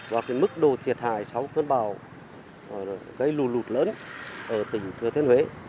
và mức đồ thiệt hại sáu cơn bào gây lù lụt lớn ở tỉnh thừa thiên huế